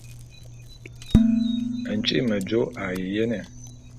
Ntyi'i mejô a ye jene.